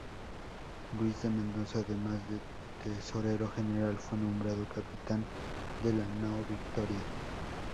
Luis de Mendoza, además de tesorero general, fue nombrado capitán de la nao "Victoria".